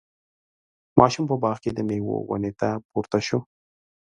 ماشوم په باغ کې د میوو ونې ته پورته شو.